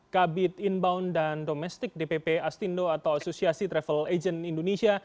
kabit inbound dan domestik dpp astindo atau asosiasi travel agent indonesia